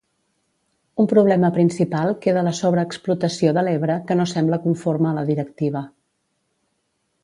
Un problema principal queda la sobreexplotació de l'Ebre que no sembla conforme a la directiva.